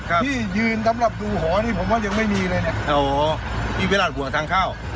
ที่ยืนสำหรับดูหอนี่ผมว่ายังไม่มีเลยนะอ๋อนี่เวลาหัวทางเข้า